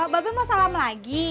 babbe mau salam lagi